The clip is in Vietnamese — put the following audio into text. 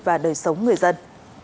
và đời sống người dân